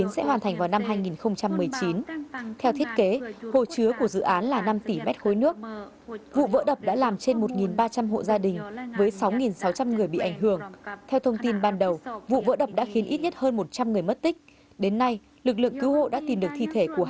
xe tiên xe nam noi